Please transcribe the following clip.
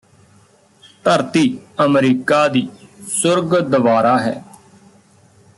ਧਰਤੀ ਅਮਰੀਕਾ ਦੀ ਸੁਰਗ ਦਵਾਰਾ ਹੈ